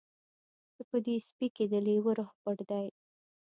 چې په دې سپي کې د لیوه روح پټ دی